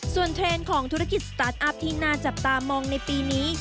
ส่วนเทรนด์ของธุรกิจสตาร์ทอัพที่น่าจับตามองในปีนี้